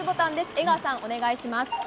江川さん、お願いします。